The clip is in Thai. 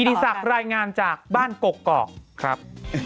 กินิสักรายงานจากบ้านกกกอกครับ